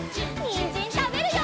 にんじんたべるよ！